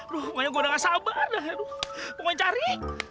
pokoknya gua udah gak sabar pokoknya cari